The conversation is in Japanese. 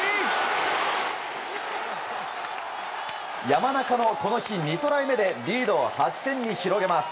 山中のこの日２トライ目でリードを８点に広げます。